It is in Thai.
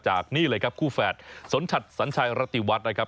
นี่เลยครับคู่แฝดสนชัดสัญชัยรติวัฒน์นะครับ